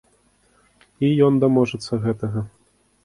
І ён даможацца гэтага.